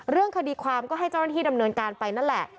เรื่องคดีความก็ให้เจ้าหน้าที่ดำเนินการไปนั่นแหละ